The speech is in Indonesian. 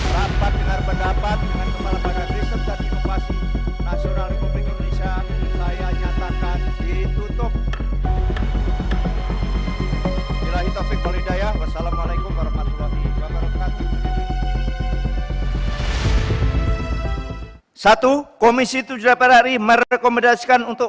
rapat dengan pendapat dengan kepala badan riset dan inovasi nasional republik indonesia